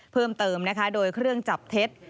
เพิ่มเติมนะคะโดยเครื่องจับเท็จ